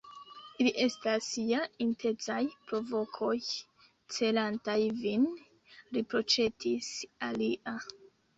Ili estas ja intencaj provokoj, celantaj vin, riproĉetis alia.